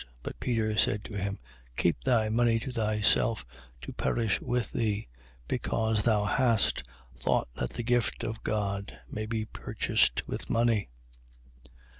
But Peter said to him: 8:20. Keep thy money to thyself, to perish with thee: because thou hast thought that the gift of God may be purchased with money.